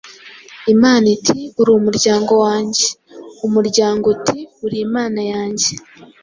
Imana iti:”Uri umuryango wanjye”, umuryango uti:” Uri Imana yanjye”